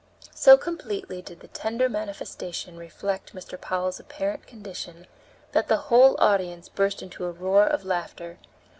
So completely did the tender manifestation reflect Mr. Powell's apparent condition that the whole audience burst into a roar of laughter.